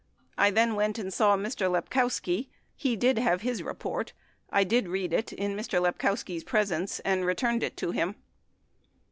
I then went and saw Mr. Lepkowski. He did have his report. I did read it in Mr. Lepkowski's presence and returned it to him.